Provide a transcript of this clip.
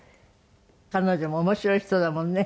彼女も面白い人だもんね。